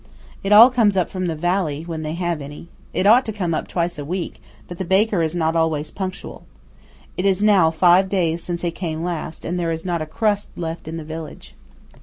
It all comes up from the valley–when they have any. It ought to come up twice a week; but the baker is not always punctual. It is now five days since he came last, and there is not a crust left in the village.